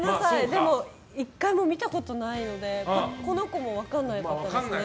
でも１回も見たことないのでこの子も分からないですね。